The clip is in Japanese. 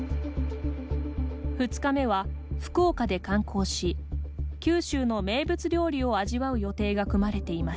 ２日目は福岡で観光し九州の名物料理を味わう予定が組まれていました。